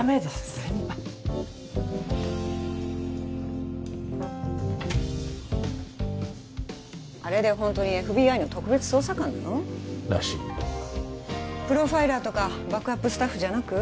先輩あれでホントにＦＢＩの特別捜査官なの？らしいプロファイラーとかバックアップスタッフじゃなく？